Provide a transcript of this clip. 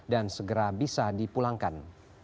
dan segera bisa dipulangkan